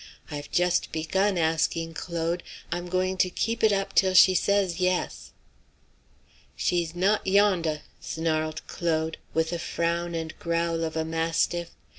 I've just begun asking, Claude; I'm going to keep it up till she says yes." "She's not yondah!" snarled Claude, with the frown and growl of a mastiff.